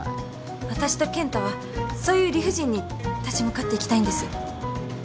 私と健太はそういう理不尽に立ち向かっていきたいんです。